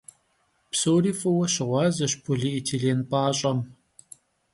Psori f'ıue şığuazeş polietilên p'aş'em.